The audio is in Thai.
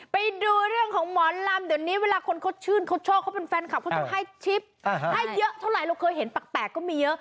ไปดูเรื่องของหมอนลำเดี๋ยวนี้เวลาคนเขาชื่นเขาชอบเขาเป็นแฟนคลับเขาจะให้ชิปให้เยอะเท่าไหร่เราเคยเห็นแปลกก็มีเยอะ